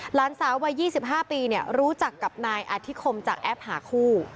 หลานสาววัย๒๕ปีรู้จักกับนายอธิคมจากแอปหาคู่